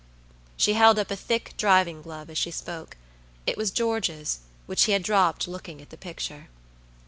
"She held up a thick driving glove as she spoke. It was George's, which he had dropped looking at the picture.